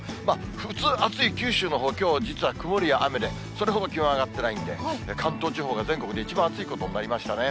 普通、暑い九州のほう、きょう、実は曇りや雨で、それほど気温上がってないんで、関東地方が全国で一番暑いことになりましたね。